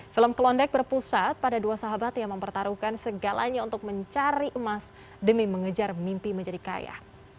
film klondek berpusat pada dua sahabat yang mempertaruhkan segalanya untuk mencari emas demi mengejar mimpi menjadi kaya